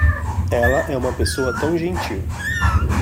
Ela é uma pessoa tão gentil.